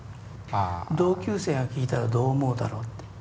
同級生が聴いたらどう思うだろうって。